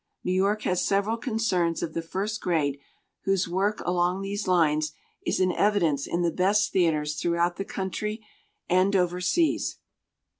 New York has several concerns of the first grade whose work along these lines is in evidence in the best theatres throughout the country and overseas.